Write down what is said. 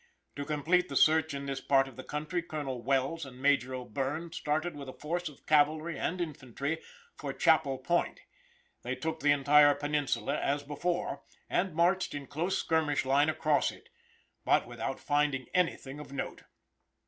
To complete the search in this part of the country, Colonel Wells and Major O'Bierne started with a force of cavalry and infantry for Chappel Point; they took the entire peninsula as before, and marched in close skirmish line across it, but without finding anything of note.